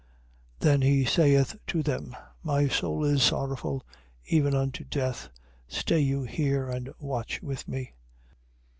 26:38. Then he saith to them: My soul is sorrowful even unto death. Stay you here and watch with me.